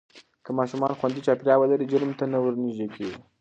که ماشومان خوندي چاپېریال ولري، جرم ته نه ورنږدې کېږي.